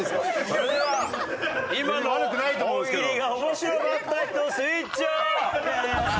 それでは今の大喜利が面白かった人スイッチオン！